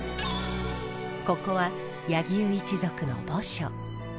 ここは柳生一族の墓所。